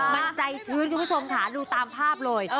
มันใจชื้นคุณผู้ชมค่ะดูตามภาพเลย